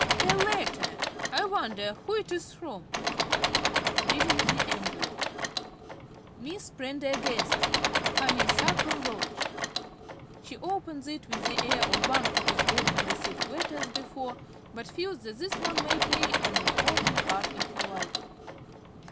_) A letter! I wonder who it is from! (Reading the envelope.) "Miss Prendergast, Honeysuckle Lodge." (_She opens it with the air of one who has often received letters before, but feels that this one may play an important part in her life.